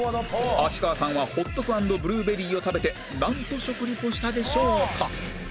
秋川さんはホットク＆ブルーベリーを食べてなんと食リポしたでしょうか？